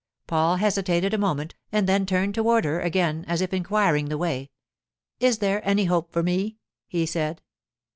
Paul hesitated a moment, and then turned toward her again as if inquiring the way. 'Is there any hope for me?' he said.